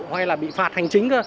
hoặc là bị phạt hành chính